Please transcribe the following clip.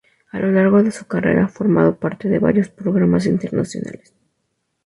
A lo largo de su carrera ha formado parte de varios programas internacionales.